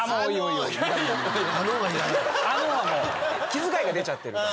気遣いが出ちゃってる。